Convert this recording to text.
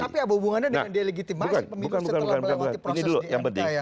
tapi hubungannya dengan delegitimasi pemilu setelah melewati proses drt yang praktis